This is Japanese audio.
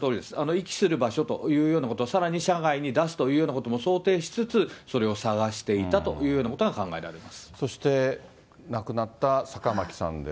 遺棄する場所というようなこと、さらに車外に出すということも想定しつつ、それを探していたといそして、亡くなった坂巻さん